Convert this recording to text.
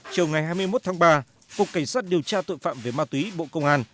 chiều ngày hai mươi một tháng ba cục cảnh sát điều tra tội phạm về ma túy bộ công an